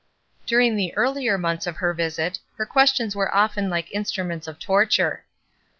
During the earlier months of her visit her questions were often like instruments of torture.